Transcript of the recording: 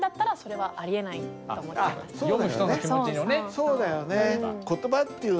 そうだよね。